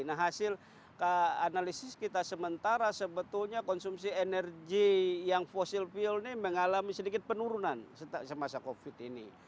nah hasil analisis kita sementara sebetulnya konsumsi energi yang fossil fuel ini mengalami sedikit penurunan semasa covid ini